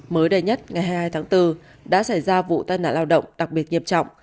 mới đây nhất ngày hai mươi hai tháng bốn đã xảy ra vụ tai nạn lao động đặc biệt nghiêm trọng